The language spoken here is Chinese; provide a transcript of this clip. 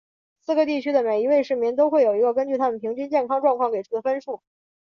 四个地区的每一位市民都会有一个根据他们平均健康状况给出的分数。